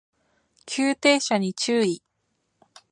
急停車に注意